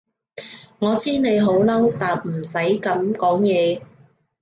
我知你好嬲，但都唔使噉講嘢